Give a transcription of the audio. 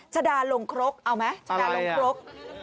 ชะดาลงครกเอาไหมชะดาลงครก